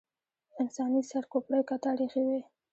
انساني سر کوپړۍ کتار ایښې وې.